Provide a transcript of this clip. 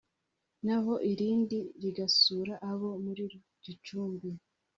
naho iri ndi rigasura abo muri Gicumbi